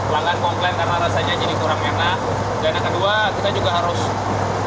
pelanggan pelanggannya tidak bisa pakai ini